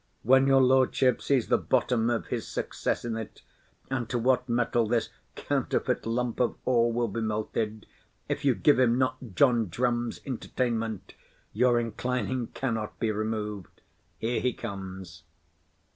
When your lordship sees the bottom of his success in't, and to what metal this counterfeit lump of ore will be melted, if you give him not John Drum's entertainment, your inclining cannot be removed. Here he comes.